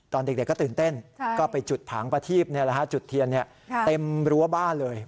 ตอนเด็กก็ตื่นเต้นก็ไปจุดผางประทีศนี่แหละฮะจุดเทียนเนี่ยเป็นรั้วบ้านเลย